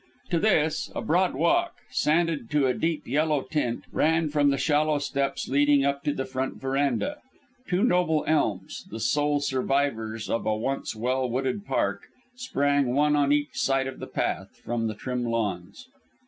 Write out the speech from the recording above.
To this, a broad walk, sanded to a deep yellow tint, ran from the shallow steps leading up to the front verandah. Two noble elms the sole survivors of a once well wooded park sprang one on each side of the path, from the trim lawns.